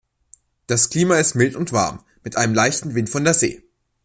Das Klima ist mild und warm, mit einem leichten Wind von der See.